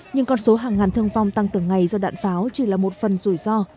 nhưng con số hàng ngàn thương vong tăng từng ngày do đạn pháo chỉ là một phần rủi ro